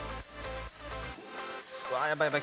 うわやばいやばい。